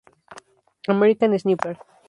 American Sniper